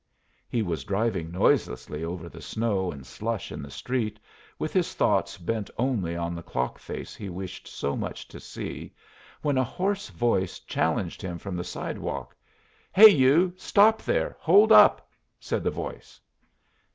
He was driving noiselessly over the snow and slush in the street, with his thoughts bent only on the clock face he wished so much to see, when a hoarse voice challenged him from the sidewalk. "Hey, you, stop there, hold up!" said the voice.